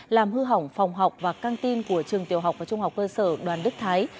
làm hư hỏng phòng học và căng tin của trường tiểu học và trung học cơ sở đoàn đức thái